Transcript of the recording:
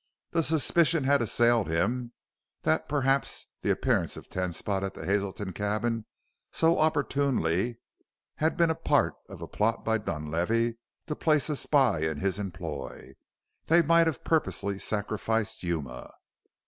The suspicion had assailed him that perhaps the appearance of Ten Spot at the Hazelton cabin so opportunely had been a part of a plot by Dunlavey to place a spy in his employ. They might have purposely sacrificed Yuma.